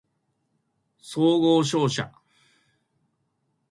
総合商社